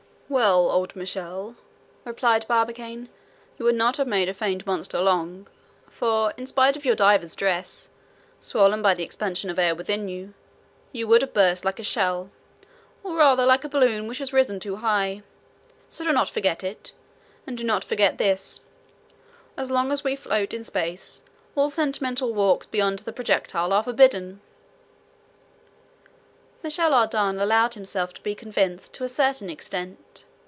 "Well, old Michel," replied Barbicane, "you would not have made a feigned monster long, for in spite of your diver's dress, swollen by the expansion of air within you, you would have burst like a shell, or rather like a balloon which has risen too high. So do not regret it, and do not forget this—as long as we float in space, all sentimental walks beyond the projectile are forbidden." Michel Ardan allowed himself to be convinced to a certain extent.